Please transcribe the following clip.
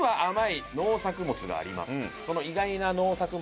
その意外な農作物